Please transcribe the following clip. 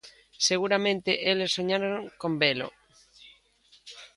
Seguramente eles soñaron con velo.